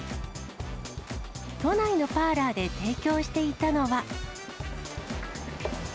都内のパーラーで提供していたのは。